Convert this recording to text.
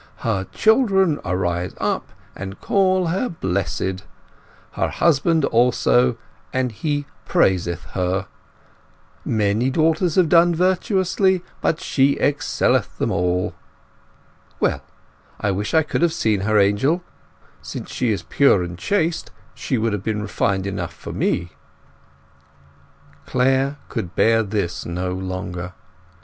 'Her children arise up and call her blessed; her husband also, and he praiseth her. Many daughters have done virtuously, but she excelleth them all.' Well, I wish I could have seen her, Angel. Since she is pure and chaste, she would have been refined enough for me." Clare could bear this no longer.